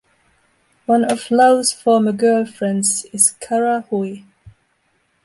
One of Lau's former girlfriends is Kara Hui.